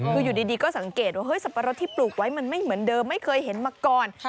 คืออยู่ดีก็สังเกตว่าสับปะรดที่ปลูกไว้มันไม่เหมือนเดิมไม่เคยเห็นมาก่อน